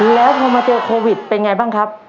แล้วพอมาเจอโควิดเป็นไงบ้างครับ